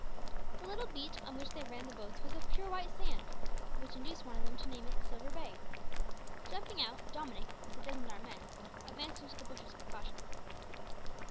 The little beach on which they ran the boats was of pure white sand, which induced one of them to name it Silver Bay. Jumping out, Dominick, with a dozen armed men, advanced into the bushes with caution.